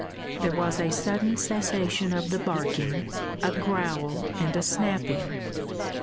There was a sudden cessation of the barking, a growl and a snapping.